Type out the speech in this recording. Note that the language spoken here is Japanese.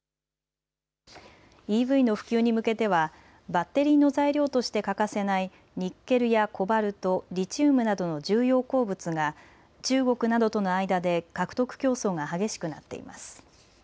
ＥＶの普及に向けてはバッテリーの材料として欠かせないニッケルやコバルト、リチウムなどの重要鉱物が中国などとの間で獲得競争が激しくなっています。